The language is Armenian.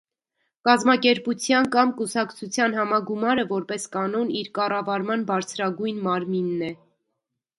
Կազմակերպության կամ կուսակցության համագումարը, որպես կանոն, իր կառավարման բարձրագույն մարմինն է։